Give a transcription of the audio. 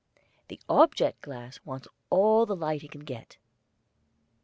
The object glass wants all the light it can get.